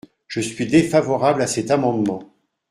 Je suis défavorable à cet amendement.